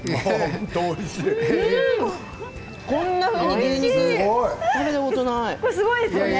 こんなふうに食べたことない。